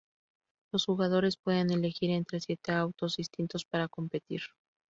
Los jugadores pueden elegir entre siete autos distintos para competir.